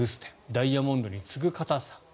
ダイヤモンドに次ぐ硬さ。